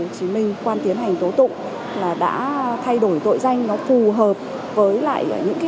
hồ chí minh quan tiến hành tố tụng là đã thay đổi tội danh nó phù hợp với lại những cái